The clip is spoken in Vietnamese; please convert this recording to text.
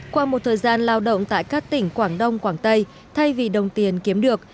qua một thời gian lao động tại các tỉnh quảng đông quảng tây thay vì đồng tiền kiếm được